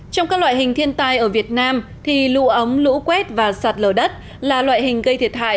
trong các loại hình thiên tai ở việt nam lũ ống lũ quét và sạt lở đất là loại hình gây thiệt hại